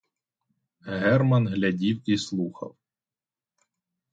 Герман глядів і слухав.